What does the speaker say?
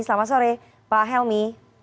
selamat sore pak helmi